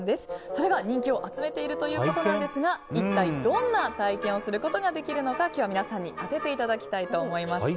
それが人気を集めているということですが一体どんな体験をすることができるのか今日は皆さんに当てていただきたいと思います。